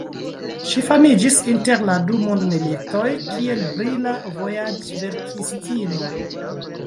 Ŝi famiĝis inter la du mondmilitoj kiel brila vojaĝverkistino.